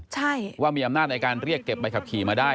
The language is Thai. ใช่ว่ามีอำนาจในการเรียกเก็บใบขับขี่มาได้